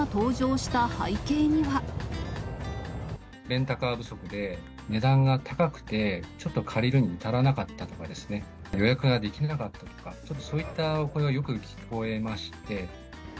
レンタカー不足で、値段が高くて、ちょっと借りるのに足らなかったとかですね、予約ができなかったとか、ちょっとそういったお声がよく聞こえまして。